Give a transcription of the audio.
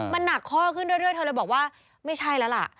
มันหนักข้อขึ้นเรื่อยเธอเลยบอกว่าไม่ใช่แล้วล่ะ